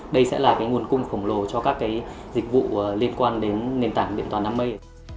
đây sẽ là cái nguồn cung khổng lồ cho các dịch vụ liên quan đến nền tảng điện toán đám mây